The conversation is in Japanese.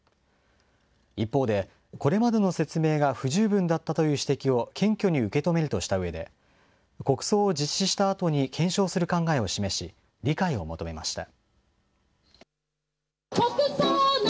一方で、これまでの説明が不十分だったという指摘を謙虚に受け止めるとしたうえで、国葬を実施したあとに検証する考えを示し、理解を求めました。